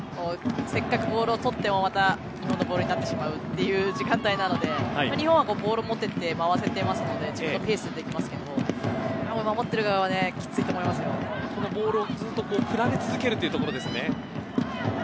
せっかくボールを取ってもまた日本のボールになってしまうという時間帯なので日本はボールを持っていても攻めていますので自分のペースでできますが守っている側はずっとボールを振られ続けるというところですね。